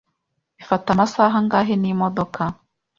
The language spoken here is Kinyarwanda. Bifata amasaha angahe n'imodoka?